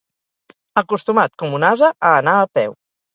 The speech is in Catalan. Acostumat com un ase a anar a peu.